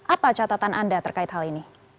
apa catatan anda terkait hal ini